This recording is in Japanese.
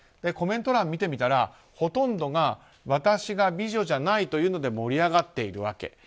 コメント欄見てみたらほとんどが私が美女じゃないというので盛り上がっているわけ。